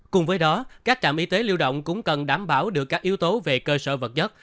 cùng với đó các trạm y tế lưu động cũng cần đảm bảo được các yếu tố về cơ sở vật chất